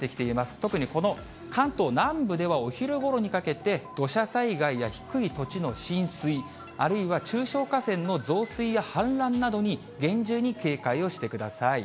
特にこの関東南部では、お昼ごろにかけて、土砂災害や低い土地の浸水、あるいは中小河川の増水や氾濫などに、厳重に警戒をしてください。